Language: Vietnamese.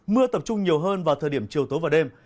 mưa tập trung nhiều hơn vào thời điểm chiều tối và đêm